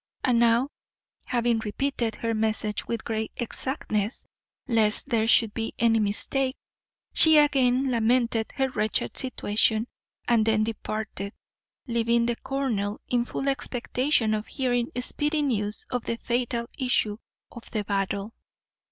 And now, having repeated her message with great exactness, lest there should be any mistake, she again lamented her wretched situation, and then departed, leaving the colonel in full expectation of hearing speedy news of the fatal issue of the battle.